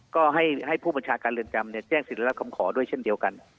ก็ให้ผู้บัญชาการเรือนจำแจ้งสิทธิ์และคำขอด้วยเช่นเดียวกัน